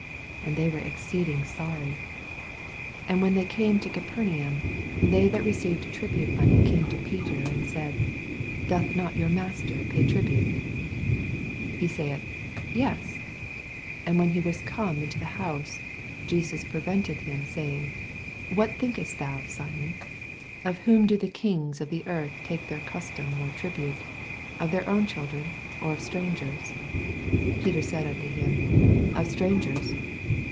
And they were exceeding sorry. 24 And when they were oome to Capernaum, they that received tri bute money came to Peter, and said. Doth not your master pay tribute t 25 He suth. Yes. And when he was oome into the house, Jesus pre vented him, saying, What thinkest thou, Simon ? of whom do the kings of the earth take custom or tribute! of their own children, or of strangers? 26 Peter saith unto him, Of stran gers.